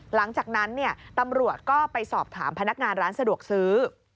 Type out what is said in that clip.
หลังจากนั้นตำรวจก็ไปสอบถามพนักงานร้านสะดวกซื้อ